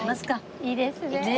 いいですねえ。